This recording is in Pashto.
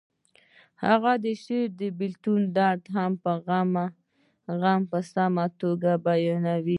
د هغه شعر د بیلتون درد او غم په ښه توګه بیانوي